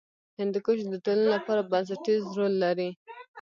هندوکش د ټولنې لپاره بنسټیز رول لري.